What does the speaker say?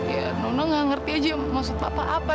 ya nona gak ngerti aja maksud papa apa